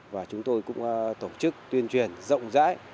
và chúng tôi cũng tổ chức tuyên truyền rộng rãi